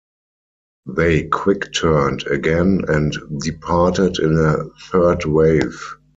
They "quick-turned" again and departed in a third wave.